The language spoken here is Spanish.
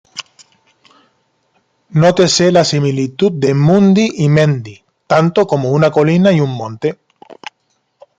Nótese la similitud de Mundi y Mendi, tanto como una colina y un monte.